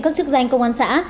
các chức danh công an xã